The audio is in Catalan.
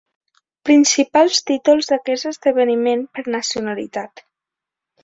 Principals títols d'aquest esdeveniment, per nacionalitat.